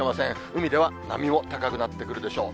海では波も高くなってくるでしょう。